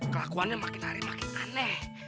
kelakuannya makin hari makin aneh